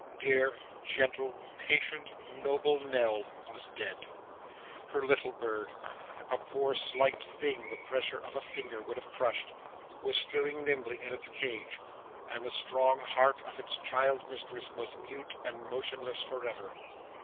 Dear, gentle, patient, noble Nell was dead. Her little bird a poor slight thing the pressure of a finger would have crushed was stirring nimbly in its cage; and the strong heart of its child mistress was mute and motionless for ever.